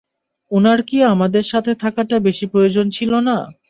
উনার কি আমাদের সাথে থাকাটা বেশি প্রয়োজন ছিল না?